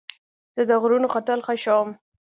زه د غرونو ختل خوښوم.